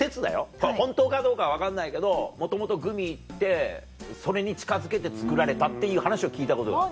これ本当かどうか分かんないけどもともとグミってそれに近づけて作られたっていう話を聞いたことがある。